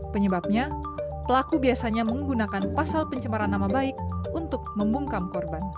penyebabnya pelaku biasanya menggunakan pasal pencemaran nama baik untuk membungkam korban